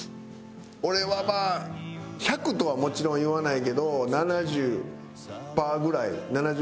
俺はまあ１００とはもちろん言わないけど７０パーぐらい。